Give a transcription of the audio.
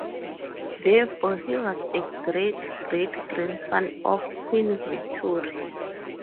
Therefore, he was a great-great-grandson of Queen Victoria.